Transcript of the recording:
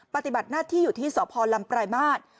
ปฏิบัติหน้าที่อยู่ที่สพลำปลายมาตร